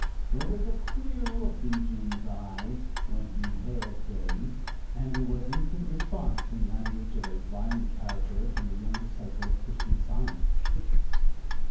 There was a queer look in Jim's eye when he hailed Billy, and there was instant response in language of a violent character from the young disciple of Christian Science.